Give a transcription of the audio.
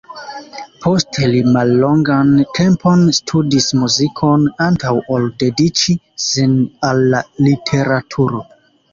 Poste li mallongan tempon studis muzikon, antaŭ ol dediĉi sin al la literaturo.